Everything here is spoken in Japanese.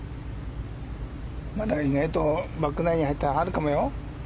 意外とバックナインに入ったらあるかもよ。